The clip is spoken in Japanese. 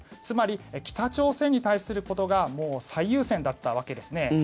つまり北朝鮮に対することが最優先だったわけですね。